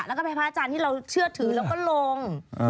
แล้วก็เป็นพระอาจารย์ที่เราเชื่อถือแล้วก็ลง